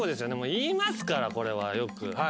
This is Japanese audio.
言いますからこれはよく。